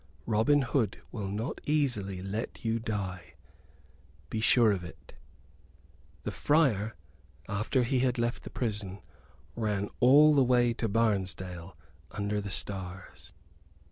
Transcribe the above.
Robin Hood will not easily let you die, be sure of it." The friar, after he had left the prison, ran all the way to Barnesdale, under the stars.